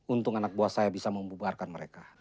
untung anak buah saya bisa membubarkan mereka